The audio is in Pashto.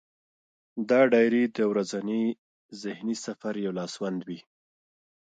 دا ډایري د ورځني ذهني سفر یو لاسوند وي.